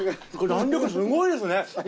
弾力すごいですね。